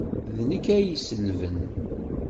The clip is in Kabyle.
D nekk ay iselben.